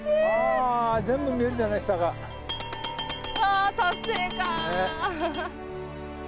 あ達成感！